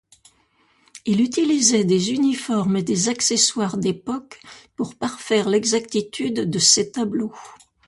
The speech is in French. Il utilisait des uniformes et des accessoires d'époque pour parfaire l'exactitude de ses tableaux.